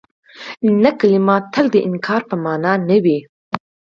نه کلمه تل د انکار په مانا نه وي.